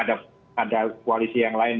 ada koalisi yang lain